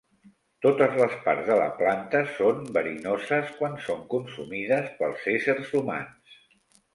Totes les parts de la planta són verinoses quan són consumides pels éssers humans.